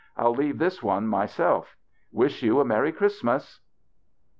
I'll leave this one myself. Wish you meiTy Christmas."